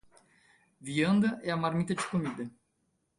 Vianda é a marmita de comida